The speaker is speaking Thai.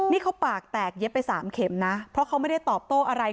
นี่เขาปากแตกเย็บไปสามเข็มนะเพราะเขาไม่ได้ตอบโต้อะไร